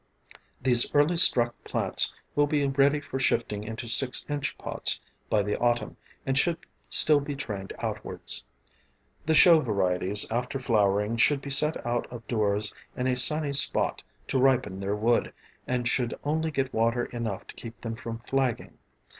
These early struck plants will be ready for shifting into 6 in. pots by the autumn, and should still be trained outwards. The show varieties after flowering should be set out of doors in a sunny spot to ripen their wood, and should only get water enough to keep them from flagging.